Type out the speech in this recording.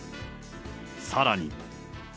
さらに。